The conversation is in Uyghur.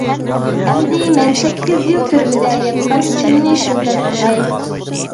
ئەمدى مەن سەككىز يىل تۈرمىدە ياتقان ئىشىمنى سۆزلەپ بېرەي.